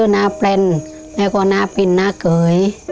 น้าเป็นและก็น้าเป็นน้าเกย